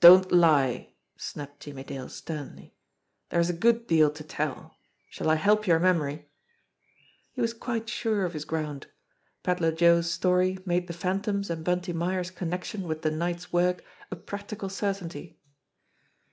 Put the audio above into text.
"Don't lie!" snapped Jimmie Dale sternly. "There is a good deal to tell! Shall I help your memory?" He was quite sure of his ground. Pedler Joe's story made the Phantom's and Bunty Myers' connection with the night'f work a practical certainty.